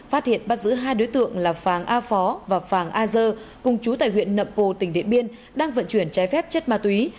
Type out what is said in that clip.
phát hiện bắt giữ hai đối tượng là phàng a phó và phàng a dơ cùng chú tại huyện nậm pồ tỉnh điện biên đang vận chuyển trái phép chất ma túy